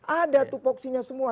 ada tuh voksinya semua